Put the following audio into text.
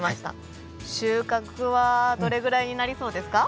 収穫はどれぐらいになりそうですか？